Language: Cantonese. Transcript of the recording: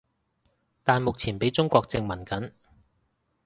但目前畀中國殖民緊